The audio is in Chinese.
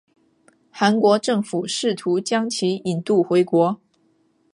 韩国政府试图将其引渡回国。